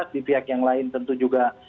di pihak yang lain tentu juga